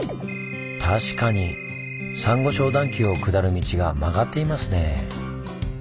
確かにサンゴ礁段丘を下る道が曲がっていますねぇ。